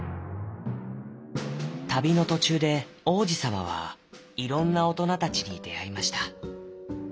たびのとちゅうで王子さまはいろんなおとなたちにであいました。